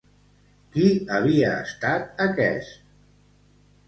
Qui havia estat aquest?